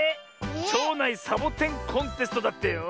ちょうないサボテンコンテストだってよ。